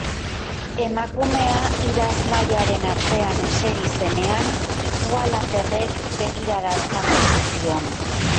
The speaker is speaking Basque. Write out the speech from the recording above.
Emakumea idazmahaiaren atzean eseri zenean Wallanderrek begiradaz jarraitu zion.